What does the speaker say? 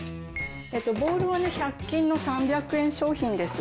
ボウルはね１００均の３００円商品です。